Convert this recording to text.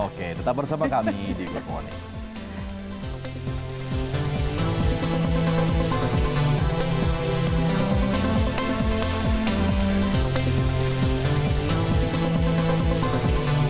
oke tetap bersama kami di good morning